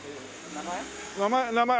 名前。